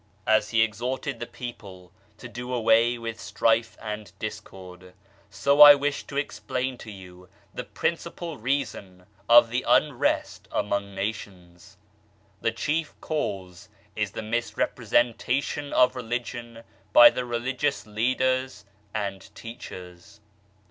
As he exhorted the people to do away with strife and discord, so I wish to explain to you the principal reason of the unrest among nations. The chief cause is the misrepresentation of Religion by the religious Leaders and teachers.